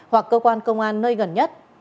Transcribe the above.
hoặc cơ quan công an nơi gần nhất